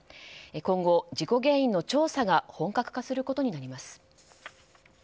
今後、事故原因の調査が本格化することになります。